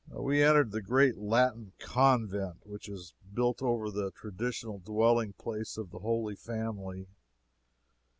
We entered the great Latin Convent which is built over the traditional dwelling place of the Holy Family.